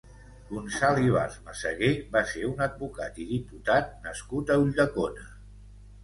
Gonçal Ibars Meseguer va ser un advocat i diputat nascut a Ulldecona.